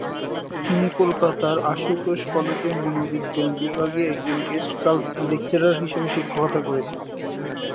তিনি কলকাতার আশুতোষ কলেজে মনোবিজ্ঞান বিভাগে একজন গেস্ট লেকচারার হিসেবে শিক্ষকতা করছেন।